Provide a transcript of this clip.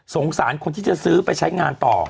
สารคนที่จะซื้อไปใช้งานต่อ